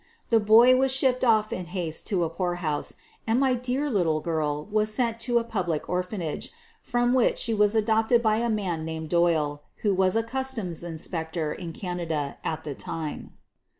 The boy was shipped off in haste to the poorhouse, and my dear little girl was sent to a public orphan age, from which she was adopted by a man named Doyle, who was a customs inspector in Canada at the time.